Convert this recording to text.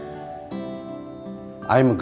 terima kasih teman teman